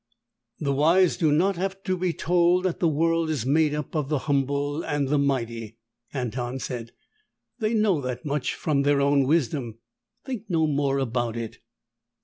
"The wise do not have to be told that the world is made up of the humble and the mighty," Anton said. "They know that much from their own wisdom. Think no more about it."